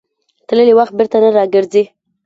تللی وخت بېرته نه راګرځي.